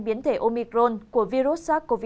biến thể omicron của virus sars cov hai